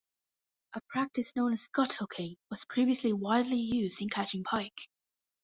A practice known as "gut hooking" was previously widely used in catching pike.